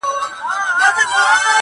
زورور به په ځنګله کي تر هر چا وي -